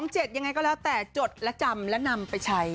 ยังไงก็แล้วแต่จดและจำและนำไปใช้